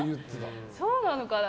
そうなのかな。